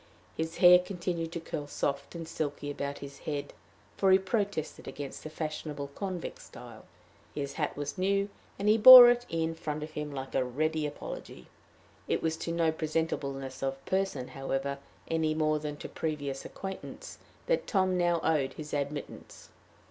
His hair continued to curl soft and silky about his head, for he protested against the fashionable convict style. His hat was new, and he bore it in front of him like a ready apology. It was to no presentableness of person, however, any more than to previous acquaintance, that Tom now owed his admittance.